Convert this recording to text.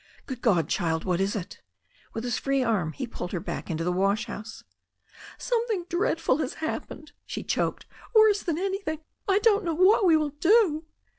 "Good God, child ! What is it?" With his free arm he pulled her back into the wash house, "Something dreadful has happened," she choked, "worse than anything. I don't know what we will do."